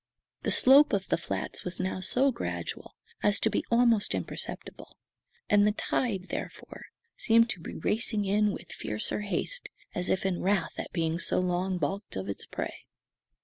The slope of the flats was now so gradual as to be almost imperceptible; and the tide, therefore, seemed to be racing in with fiercer haste, as if in wrath at being so long balked of its prey.